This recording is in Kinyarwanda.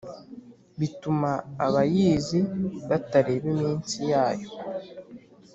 Bituma abayizi batareba iminsi yayo